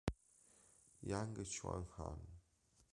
Yang Chun-han